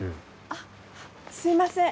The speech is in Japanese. あっすいません。